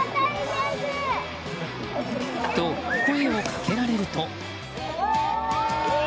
と、声をかけられると。